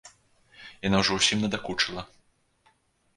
Яна ужо ўсім надакучыла.